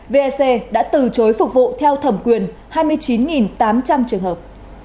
vec đã từ chối phục vụ theo thẩm quyền hai mươi chín tám trăm linh trường hợp